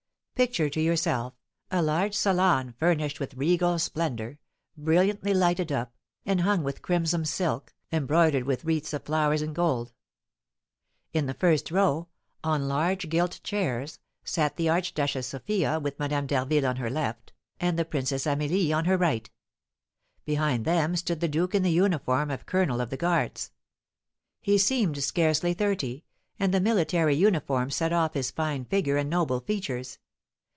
Picture to yourself a large salon furnished with regal splendour, brilliantly lighted up, and hung with crimson silk, embroidered with wreaths of flowers in gold. In the first row, on large gilt chairs, sat the Archduchess Sophia with Madame d'Harville on her left, and the Princess Amelie on her right. Behind them stood the duke in the uniform of colonel of the guards. He seemed scarcely thirty, and the military uniform set off his fine figure and noble features.